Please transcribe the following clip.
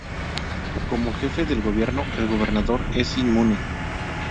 Como jefe del gobierno, el Gobernador es inmune.